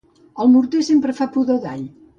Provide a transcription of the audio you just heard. El morter sempre fa pudor d'all.